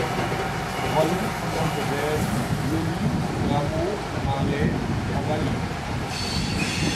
Rollen von Monteverdi, Lully, Rameau, Marais und Cavalli an.